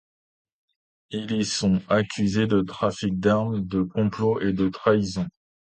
Ils y sont accusés de trafic d'arme, de complot et de trahison.